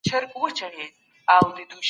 ماشومان د کاردستي له لارې خپل تخیل ښيي.